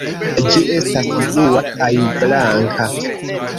Ĝi estas blua kaj blanka.